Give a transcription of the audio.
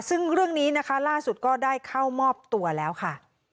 ซึ่งเรื่องนี้นะคะล่าสุดก็ได้เข้ามอบตัวแล้วค่ะ